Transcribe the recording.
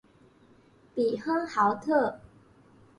比亨豪特。